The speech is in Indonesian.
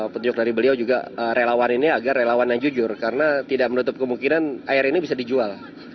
petunjuk dari beliau juga relawan ini agar relawan yang jujur karena tidak menutup kemungkinan air ini bisa dijual